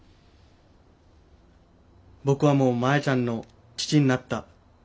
僕はもうマヤちゃんの父になった。